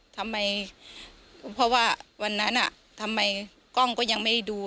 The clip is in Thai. ทำไมเพราะว่าวันนั้นทำไมกล้องก็ยังไม่ได้ดู